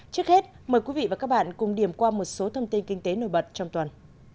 trước hết mời quý vị và các bạn cùng điểm qua một số thông tin kinh tế nổi bật trong tuần